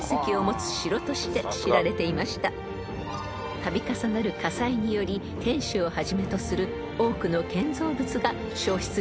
［度重なる火災により天守をはじめとする多くの建造物が焼失しました］